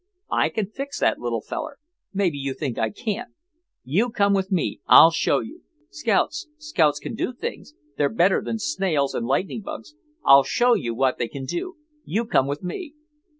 I can fix that little feller; maybe you think I can't. You come with me, I'll show you. Scouts—scouts can do things—they're better than snails and lightning bugs. I'll show you what they can do; you come with me."